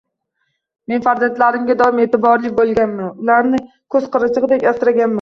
Men farzandlarimga doim e`tiborli bo`lganman, ularni ko`z qorachig`imdek asraganman